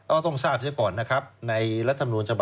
ละเกียจ